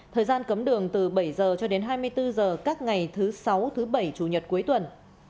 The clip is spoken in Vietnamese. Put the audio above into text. thời gian cấm đường từ bảy h cho đến hai mươi bốn h các ngày thứ sáu thứ bảy chủ nhật cuối tuần